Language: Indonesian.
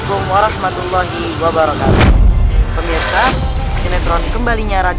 kau benar benar membuatku marah